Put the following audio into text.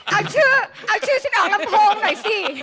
เอาชื่อเอาชื่อฉันเอาลำโพงหน่อยสิ